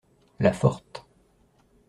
La forte.